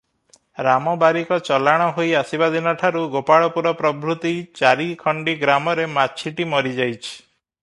ରାମ ବାରିକ ଚଲାଣ ହୋଇ ଆସିବା ଦିନଠାରୁ ଗୋପାଳପୁର ପ୍ରଭୃତି ଚାରିଖଣ୍ଡି ଗ୍ରାମରେ ମାଛିଟି ମରି ଯାଇଛି ।